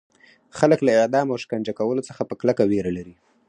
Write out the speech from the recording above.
خلک له اعدام او شکنجه کولو څخه په کلکه ویره لري.